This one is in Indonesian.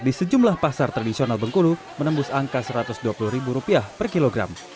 di sejumlah pasar tradisional bengkulu menembus angka rp satu ratus dua puluh per kilogram